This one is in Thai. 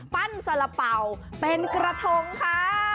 ปั้นสระเป๋าเป็นกระทงค่ะ